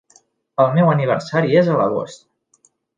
El meu aniversari és a l'agost.